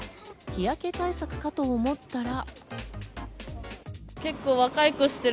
日焼け対策かと思ったら。